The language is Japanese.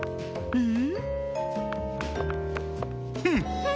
うん。